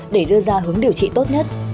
để đưa ra hướng điều trị tốt nhất